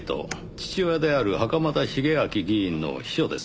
父親である袴田茂昭議員の秘書です。